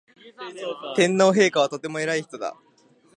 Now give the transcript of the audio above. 天皇陛下はとても偉い人だ